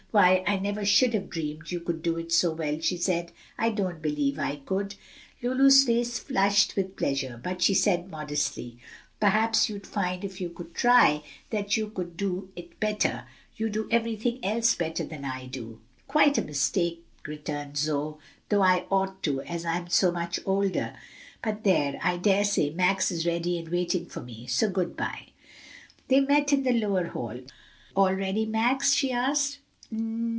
"Why, I never should have dreamed you could do it so well!" she said. "I don't believe I could." Lulu's face flushed with pleasure, but she said modestly, "Perhaps you'd find, if you should try, that you could do it better; you do everything else better than I do." "Quite a mistake," returned Zoe, "though I ought to, as I'm so much older. But there, I dare say Max is ready and waiting for me, so good by." They met in the lower hall. "All ready, Max?" she asked.